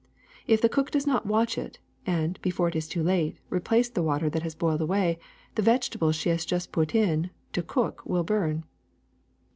If the cook does not watch it and, before it is too late, replace the water that has boiled away, the vegetables she has put in it to cook will burn.